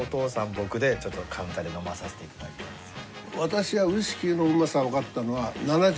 僕でちょっとカウンターで飲まさしていただいたんです。